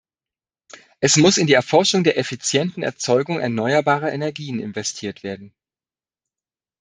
Es muss in die Erforschung der effizienten Erzeugung erneuerbarer Energien investiert werden.